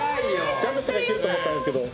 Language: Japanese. ジャンプしたらいけると思ったんですけど。